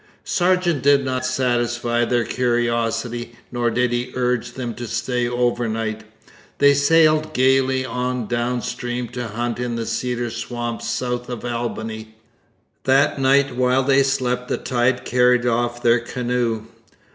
Sargeant did not satisfy their curiosity, nor did he urge them to stay overnight. They sailed gaily on down stream to hunt in the cedar swamps south of Albany. That night while they slept the tide carried off their canoe.